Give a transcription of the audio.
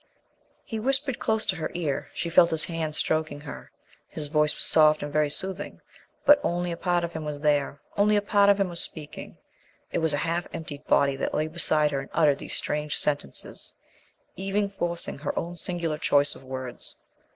He whispered close to her ear. She felt his hand stroking her. His voice was soft and very soothing. But only a part of him was there; only a part of him was speaking; it was a half emptied body that lay beside her and uttered these strange sentences, even forcing her own singular choice of words.